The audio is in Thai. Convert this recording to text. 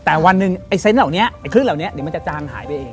แต่วันหนึ่งไอ้เซนต์เหล่านี้ไอ้คลื่นเหล่านี้เดี๋ยวมันจะจางหายไปเอง